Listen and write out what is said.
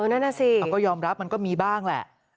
มันก็ยอมรับมันก็มีบ้างแหละ